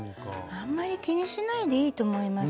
あんまり気にしないでいいと思います。